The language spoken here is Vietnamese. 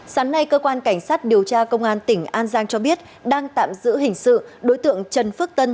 sáng nay cơ quan cảnh sát điều tra công an tỉnh an giang cho biết đang tạm giữ hình sự đối tượng trần phước tân